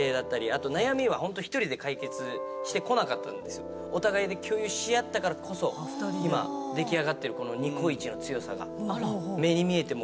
あと悩みは本当１人で解決して来なかったんですよ。お互いで共有し合ったからこそ今出来上がってるニコイチの強さが目に見えて。